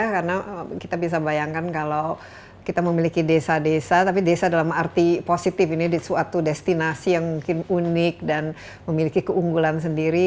karena kita bisa bayangkan kalau kita memiliki desa desa tapi desa dalam arti positif ini suatu destinasi yang mungkin unik dan memiliki keunggulan sendiri